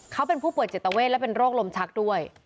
เขาเป็นผู้ป่วยจิตเวทและเป็นโรคลมชักด้วย